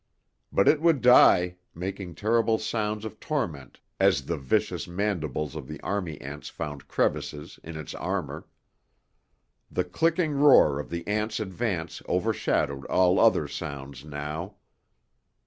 But it would die, making terrible sounds of torment as the vicious mandibles of the army ants found crevices in its armour. The clicking roar of the ants' advance overshadowed all other sounds, now.